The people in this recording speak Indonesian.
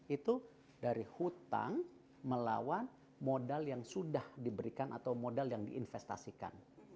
itu dari hutang melawan modal yang sudah diberikan atau modal yang diinvestasikan